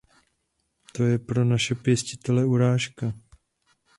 To je pro naše pěstitele urážka.